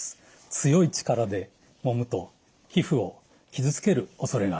強い力でもむと皮膚を傷つけるおそれがあります。